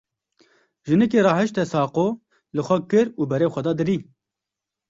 Jinikê rahişte saqo, li xwe kir û berê xwe da derî.